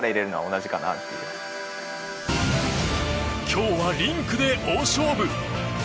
今日はリンクで大勝負。